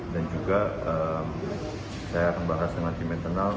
dan juga saya akan bahas dengan tim internal